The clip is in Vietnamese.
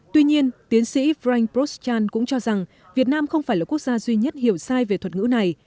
tuy nhiên tiến sĩ frank prostjan cũng cho rằng việt nam không phải là quốc gia duy nhất hiểu sai về thuật ngữ này